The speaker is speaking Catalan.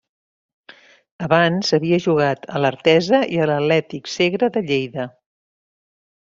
Abans havia jugat a l'Artesa i a l'Atlètic Segre de Lleida.